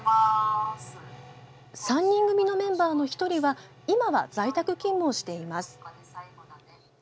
３人組のメンバーの１人は今は在宅勤務をしています。